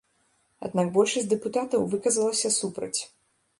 Аднак большасць дэпутатаў выказалася супраць.